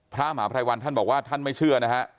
พระมหาภัยวันท่านบอกว่าท่านไม่เชื่อนะฮะ